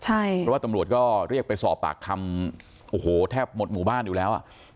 เพราะว่าตำรวจก็เรียกไปสอบปากคำโอ้โหแทบหมดหมู่บ้านอยู่แล้ว